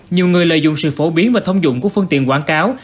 nhiều người lợi dụng sự phổ biến và thông dụng của phương tiện quảng cáo